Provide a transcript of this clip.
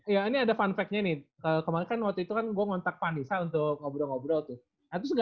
ya ini ada fun fact nya nih kemarin kan waktu itu kan gue ngontak vanessa untuk ngobrol ngobrol tuh